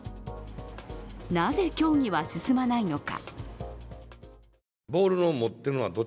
なぜ、協議は進まないのか。